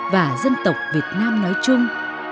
và dân tộc việt nam nói chung